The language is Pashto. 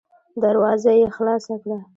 دروازه يې خلاصه کړه.